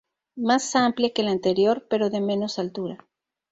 Más amplia que la anterior, pero de menos altura.